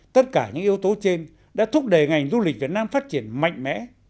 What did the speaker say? tất cả những yếu tố trên đã thúc đẩy ngành du lịch việt nam phát triển mạnh mẽ